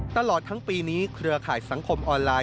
ตลอดทั้งปีนี้เครือข่ายสังคมออนไลน